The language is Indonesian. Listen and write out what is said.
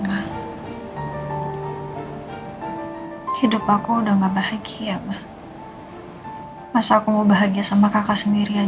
kamu bisa janji kamu gak mau berbuat yang aneh aneh di sana